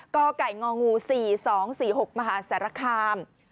กไก่ง๔๒๔๖มหาสารคาม